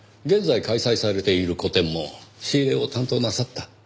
現在開催されている個展も仕入れを担当なさった？